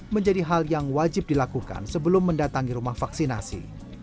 menjadi hal yang wajib dilakukan sebelum mendatangi rumah vaksinasi